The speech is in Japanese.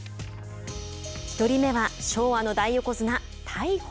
１人目は昭和の大横綱大鵬。